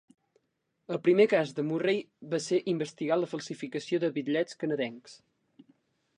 El primer cas de Murray va ser investigar la falsificació de bitllets canadencs.